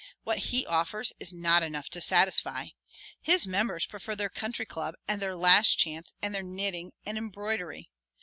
What he offers is not enough to satisfy. His members prefer their Country Club and their Last Chance and their knitting and embroidery.